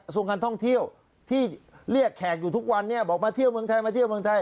ส่วนกันท่องเที่ยวที่เลือกแขกอยู่ทุกวันบอกมาเที่ยวเมืองไทย